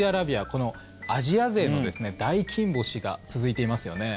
このアジア勢の大金星が続いていますよね。